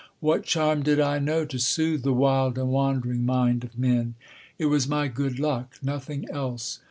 What charm did I know to soothe the wild and wandering mind of men? It was my good luck, nothing else.